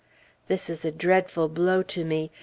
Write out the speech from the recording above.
This is a dreadful blow to me.